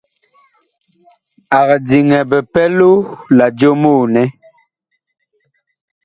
Ag diŋɛ bipɛlo la jomoo nɛ.